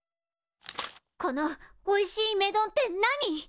このおいしい目丼って何？